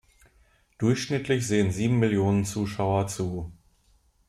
Durchschnittlich sehen sieben Millionen Zuschauer zu.